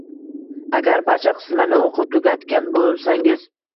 Agar barcha qismlarni oʻqib tugatgan boʻlsangiz.